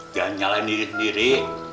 jangan nyalahin diri sendiri